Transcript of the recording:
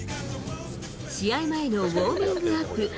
試合前のウォーミングアップ。